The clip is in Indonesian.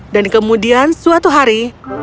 dan kemudian suatu hari